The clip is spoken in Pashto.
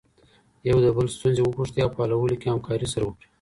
يو د بل ستونزي وپوښتئ او په حلولو کي همکاري سره وکړئ